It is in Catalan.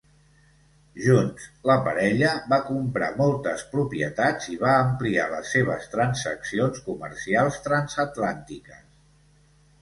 Junts, la parella va comprar moltes propietats i va ampliar les seves transaccions comercials transatlàntiques.